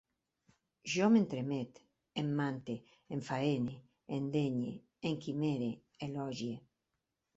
Jo m'entremet, emmante, enfaene, endenye, enquimere, elogie